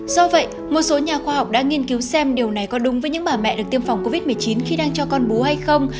do vậy một số nhà khoa học đã nghiên cứu xem điều này có đúng với những bà mẹ được tiêm phòng covid một mươi chín khi đang cho con bú hay không